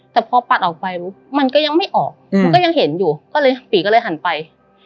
แต่พอปัดออกไปปุ๊บมันก็ยังไม่ออกมันก็ยังเห็นอยู่ก็เลยปีก็เลยหันไป